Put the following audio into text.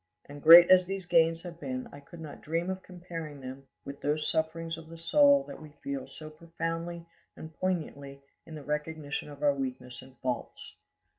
And great as these gains have been, I could not dream of comparing them with those sufferings of the soul that we feel so profoundly and poignantly in the recognition of our weaknesses and faults.